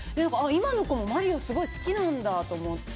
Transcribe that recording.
今の子もマリオすごい好きなんだと思って。